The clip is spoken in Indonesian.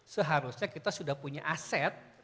seharusnya kita sudah punya aset